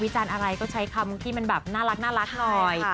จารณ์อะไรก็ใช้คำที่มันแบบน่ารักหน่อย